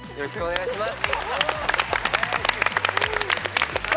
よろしくお願いします。